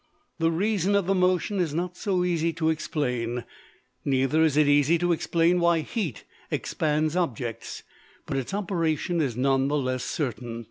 The reason of the motion is not so easy to explain; neither is it easy to explain why heat expands objects: but its operation is none the less certain.